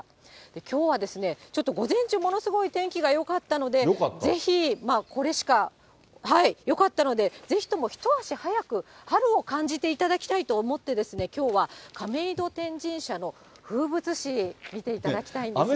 きょうはですね、ちょっと午前中、ものすごい天気がよかったので、ぜひこれしか、よかったので、ぜひとも一足早く春を感じていただきたいと思って、きょうは亀戸天神社の風物詩見ていただきたいんですが。